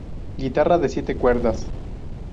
Guitarra de siete cuerdas.